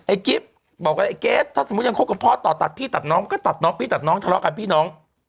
กิ๊บบอกว่าไอ้เกสถ้าสมมุติยังคบกับพ่อต่อตัดพี่ตัดน้องก็ตัดน้องพี่ตัดน้องทะเลาะกันพี่น้อง